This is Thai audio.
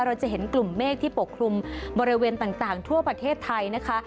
เราจะเห็นกลุ่มเมฆที่ปกคลุมบริเวณต่างทั่วประเทศไทยนะคะ